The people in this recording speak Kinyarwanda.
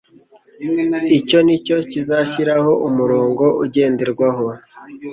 Icyo nicyo kizashyiraho umurongo ugenderwaho.